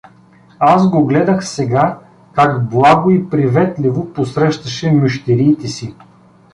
Аз го гледах сега как благо и приветливо посрещаше мющериите си.